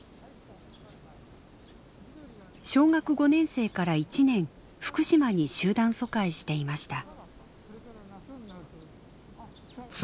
小学５年生から１年福島に集団疎開していました。